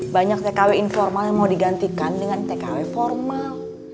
banyak tkw informal yang mau digantikan dengan tkw formal